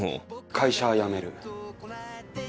会社辞める。